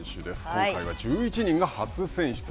今回は１１人が初選出。